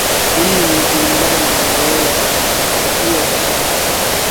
Hii ni kulingana na maendeleo yanayofikiwa katika jamii